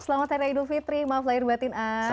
selamat hari raya idul fitri maaflah irbatin ah